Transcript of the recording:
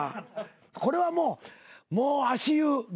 これはもう足湯。